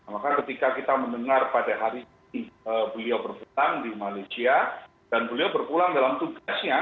maka ketika kita mendengar pada hari ini beliau berpulang di malaysia dan beliau berpulang dalam tugasnya